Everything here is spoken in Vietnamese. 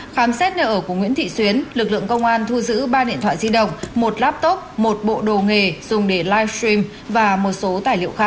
khám xét nợ của nguyễn thị xuyến lực lượng công an thu giữ ba điện thoại di động một laptop một bộ đồ nghề dùng để live stream và một số tài liệu khác